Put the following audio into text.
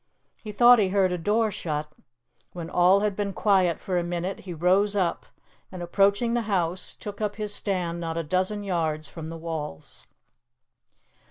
He thought he heard a door shut. When all had been quiet for a minute he rose up, and, approaching the house, took up his stand not a dozen yards from the walls.